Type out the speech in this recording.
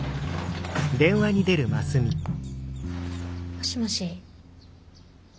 もしもし。